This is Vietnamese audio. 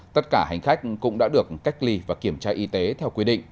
tất cả hành khách cũng đã được cách ly và kiểm tra y tế theo quy định